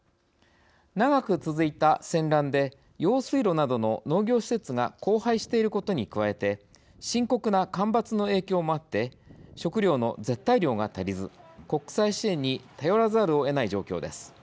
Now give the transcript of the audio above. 長く続いた戦乱で用水路などの農業施設が荒廃していることに加えて深刻な干ばつの影響もあって食料の絶対量が足りず国際支援に頼らざるをえない状況です。